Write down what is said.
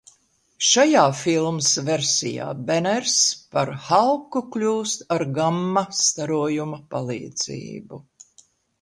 Šajā filmas versijā Beners par Halku kļūst ar gamma starojuma palīdzību.